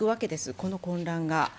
この混乱が。